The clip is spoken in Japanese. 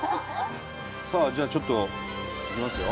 さあじゃあちょっといきますよ。